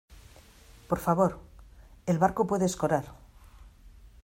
por favor. el barco puede escorar